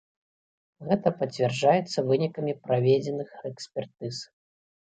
Гэта пацвярджаецца вынікамі праведзеных экспертыз.